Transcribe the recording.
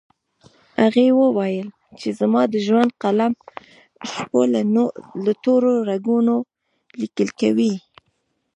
هغې وويل چې زما د ژوند قلم د شپو له تورو رګونو ليکل کوي